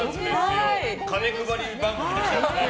金配り番組ですね。